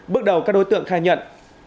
bước đầu các đối tượng khai nhận